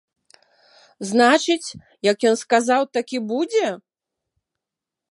Значыць, як ён сказаў, так і будзе?